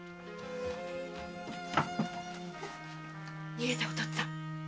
逃げてお父っつぁん！